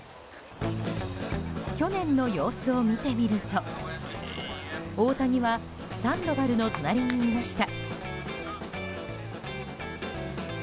去年の様子を見てみると、大谷はサンドバルの隣にいました。